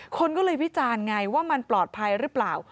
คนก็เลยวิจารณ์ไงว่ามันปลอดภัยหรือเปล่า